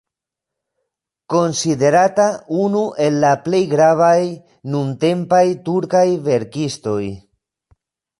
Konsiderata unu el la plej gravaj nuntempaj turkaj verkistoj.